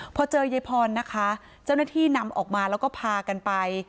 พอเจอยายพรนะคะเจ้าหน้าที่นำออกมาแล้วก็พากันไป